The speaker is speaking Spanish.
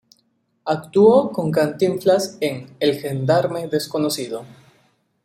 Actuó con Cantinflas en "El gendarme desconocido".